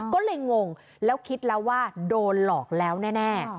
ก็เลยงงแล้วคิดแล้วว่าโดนหลอกแล้วแน่